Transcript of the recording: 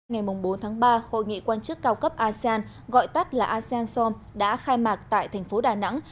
ngày bốn tháng ba hội nghị quan chức cao cấp asean gọi tắt là asean som đã khai mạc tại thành phố đà nẵng